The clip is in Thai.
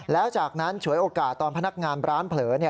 แล้วจากนั้นฉวยโอกาสตอนพนักงานร้านเผลอ